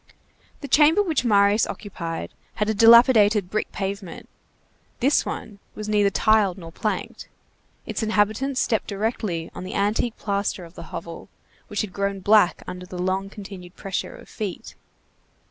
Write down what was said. The chamber which Marius occupied had a dilapidated brick pavement; this one was neither tiled nor planked; its inhabitants stepped directly on the antique plaster of the hovel, which had grown black under the long continued pressure of feet.